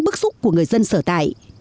là một lý do sức của người dân sở tại